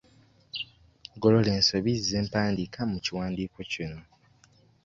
Golola ensobi z'empandiika mu kiwandiiko kino.